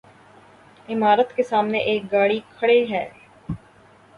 عمارت کے سامنے ایک گاڑی کھڑی ہے